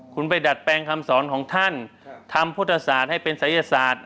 คุณไปดัดแปลงคำสอนของท่านทำพุทธศาสตร์ให้เป็นศัยศาสตร์